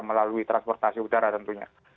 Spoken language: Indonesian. melalui transportasi udara tentunya